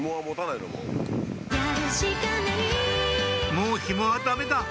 「もうひもはダメだ」